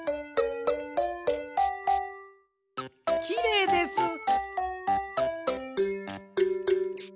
きれいです！